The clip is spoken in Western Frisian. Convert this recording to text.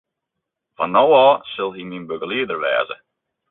Fan no ôf sil hy myn begelieder wêze.